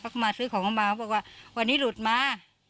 เข้ามาซื้อของมาเขาบอกว่าวันนี้หลุดมา